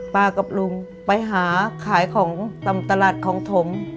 กับลุงไปหาขายของตามตลาดของถม